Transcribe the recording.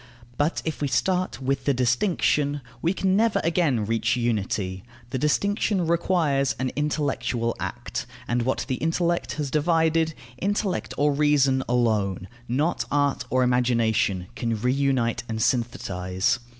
But if we start with the distinction, we can never again reach unity: the distinction requires an intellectual act, and what the intellect has divided intellect or reason alone, not art or imagination, can reunite and synthetize.